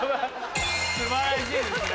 素晴らしいですね。